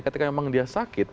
ketika memang dia sakit